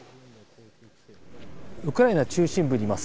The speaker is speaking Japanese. ウクライナ中心部にいます。